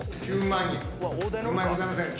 ９万円ございませんか？